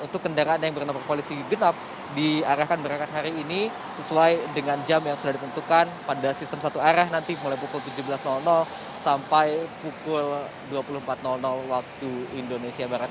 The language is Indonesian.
untuk kendaraan yang bernomor polisi genap diarahkan berangkat hari ini sesuai dengan jam yang sudah ditentukan pada sistem satu arah nanti mulai pukul tujuh belas sampai pukul dua puluh empat waktu indonesia barat